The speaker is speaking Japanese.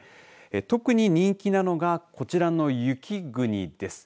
特に人気なのがこちらの雪国です。